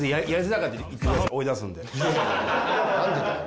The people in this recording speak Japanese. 何でだよ？